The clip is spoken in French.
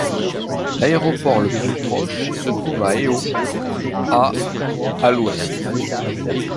L'aéroport le plus proche se trouve à Heho, à à l'Ouest.